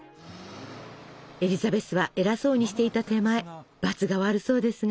エリザベスは偉そうにしていた手前ばつが悪そうですが。